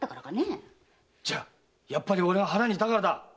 じゃあやっぱり俺が腹にいたからだ！